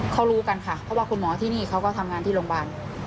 เขารู้กันค่ะเพราะว่าคุณหมอที่นี่เขาก็ทำงานที่โรงพยาบาล